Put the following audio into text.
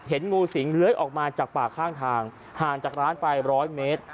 งูสิงเลื้อยออกมาจากป่าข้างทางห่างจากร้านไปร้อยเมตร